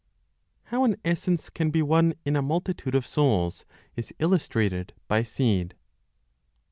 HOW AN ESSENCE CAN BE ONE IN A MULTITUDE OF SOULS IS ILLUSTRATED BY SEED.